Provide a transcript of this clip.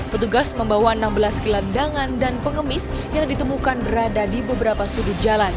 petugas membawa enam belas gelandangan dan pengemis yang ditemukan berada di beberapa sudut jalan